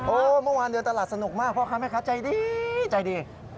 เมื่อวานเดินตลาดสนุกมากพ่อค้าแม่ค้าใจดีใจดี